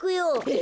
え！